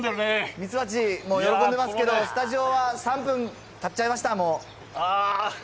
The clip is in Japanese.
みつばちも喜んでますけど、スタジオは３分たっちゃいました